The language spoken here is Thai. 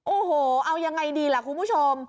โอ้โหเอายังไงดีล่ะคุณผู้ชม